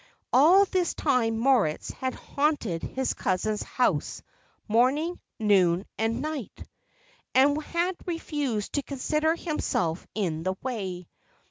All this time Moritz had haunted his cousin's house morning, noon, and night, and had refused to consider himself in the way.